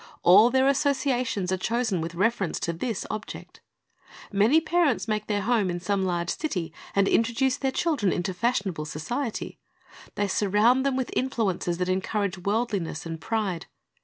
All their a.ssociations are chosen with reference to this object. Many parents make their home in some large city, and introduce their children into fashionable society. They surround them with influences that encourage worldliness and pride.